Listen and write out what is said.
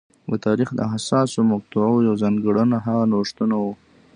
د تاریخ د حساسو مقطعو یوه ځانګړنه هغه نوښتونه وو